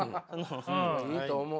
いいと思う。